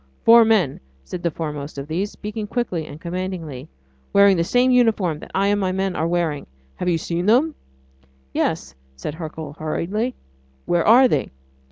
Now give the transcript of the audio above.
"Four men," said the foremost of these, speaking quickly and commandingly, "wearing the same uniform that I and my men are wearing ... have you seen them?" "Yes," said Hercule hurriedly. "Where are they?"